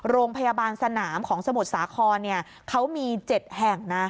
โรงพยาบาลสนามของสมุทรสาครเขามี๗แห่งนะ